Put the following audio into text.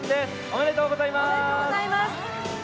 おめでとうございます。